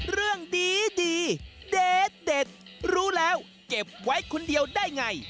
เรื่องดีเด็ดรู้แล้วเก็บไว้คนเดียวได้ไง